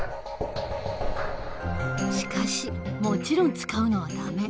しかしもちろん使うのはダメ。